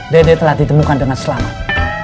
dede telah ditemukan dengan selamat